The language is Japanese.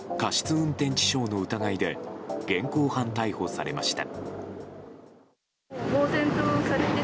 運転致傷の疑いで現行犯逮捕されました。